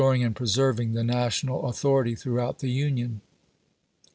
ing and preserving the national authority throughout chap, vm the Union."